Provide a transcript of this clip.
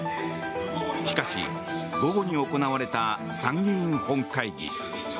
しかし、午後に行われた参院本会議。